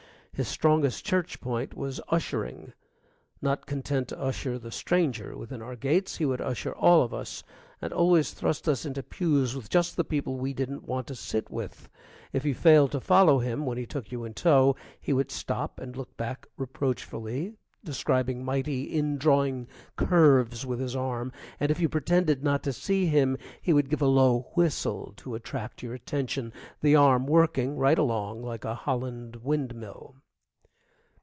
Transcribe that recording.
His strongest church point was ushering. Not content to usher the stranger within our gates, he would usher all of us, and always thrust us into pews with just the people we didn't want to sit with. If you failed to follow him when he took you in tow, he would stop and look back reproachfully, describing mighty indrawing curves with his arm; and if you pretended not to see him, he would give a low whistle to attract your attention, the arm working right along, like a Holland windmill.